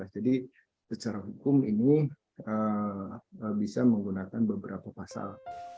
jadi secara hukum ini bisa menggunakan beberapa pasal